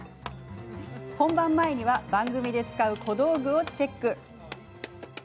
本番前には番組で使う小道具をチェック。